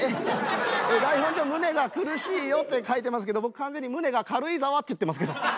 台本じゃ胸が苦しいよって書いてますけど僕完全に胸が軽井沢って言ってますけど。